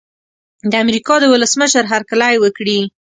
د امریکا د ولسمشر هرکلی وکړي.